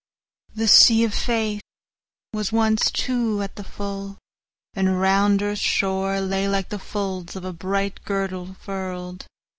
The sea of faithWas once, too, at the full, and round earth's shoreLay like the folds of a bright girdle furl'd.